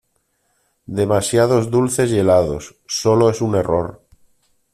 Demasiados dulces y helados. Sólo es un error .